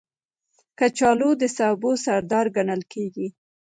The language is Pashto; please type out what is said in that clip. کچالو د سبو سردار ګڼل کېږي